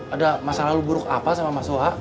ada masalah lu buruk apa sama mas ua